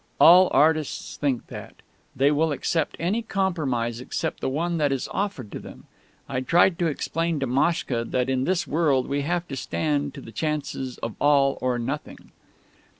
All artists think that. They will accept any compromise except the one that is offered to them.... I tried to explain to Maschka that in this world we have to stand to the chances of all or nothing.